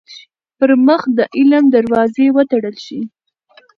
پـر مـخ د عـلم دروازې وتـړل شي.